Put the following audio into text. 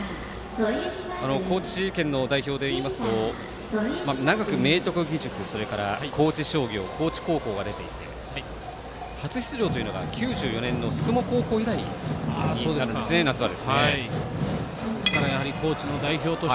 高知県の代表でいいますと長く明徳義塾、高知商業高知高校が出ていて初出場というのが９４年の宿毛高校以来になるんです、夏は。